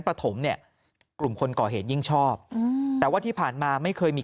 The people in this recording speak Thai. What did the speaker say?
ประถมเนี่ยกลุ่มคนก่อเหตุยิ่งชอบแต่ว่าที่ผ่านมาไม่เคยมี